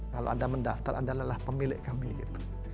kalau anda mendaftar anda adalah pemilik kami gitu